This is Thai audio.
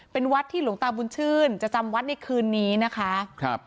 เป็นวัดที่หลวงตาบุญชื่นจะจำวัดในคืนนี้นะคะครับ